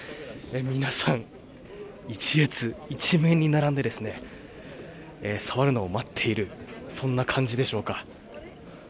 皆さん、一列、一面に並んでですね、触るのを待っている、そんな感じでしょうか。